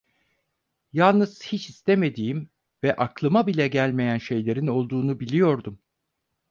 Yalnız hiç istemediğim ve aklıma bile gelmeyen şeylerin olduğunu biliyordum.